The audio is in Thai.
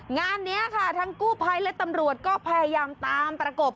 งานนี้ค่ะทั้งกู้ภัยและตำรวจก็พยายามตามประกบ